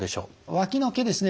わきの毛ですね。